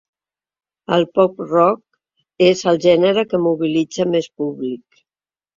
El pop-rock és el gènere que mobilitza més públic.